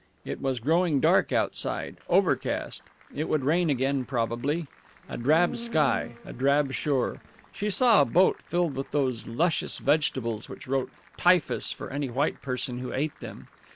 It was growing dark outside, overcast. It would rain again probably. A drab sky, a drab shore. She saw a boat filled with those luscious vegetables which wrote typhus for any white person who ate them.